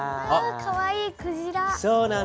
かわいいクジラ。